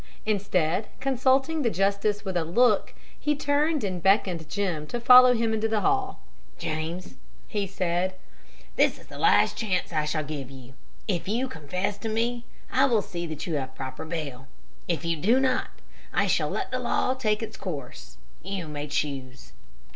Instead, consulting the justice with a look, he turned and beckoned Jim to follow him into the hall. "James," he said, "this is the last chance I shall give you. If you confess to me, I will see that you have proper bail. If you do not, I shall let the law take its course. You may choose."